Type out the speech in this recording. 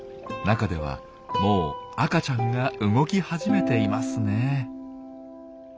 中ではもう赤ちゃんが動き始めていますね。